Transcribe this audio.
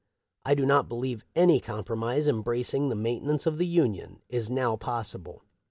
I do not believe any compromise, embracing the maintenance of the Union, is now possible.